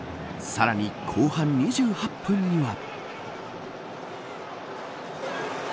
さらに後半２８分には。